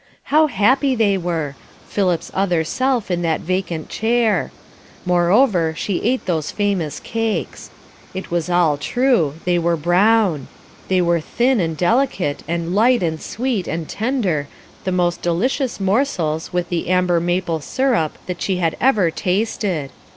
How happy they were Philip's other self in that vacant chair. Moreover, she ate those famous cakes. It was all true, they were brown; they were thin and delicate, and light and sweet, and tender, the most delicious morsels, with the amber maple syrup, that she had ever tasted.